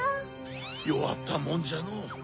よわったもんじゃのう。